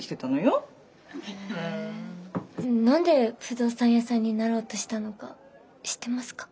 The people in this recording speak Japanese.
何で不動産屋さんになろうとしたのか知ってますか？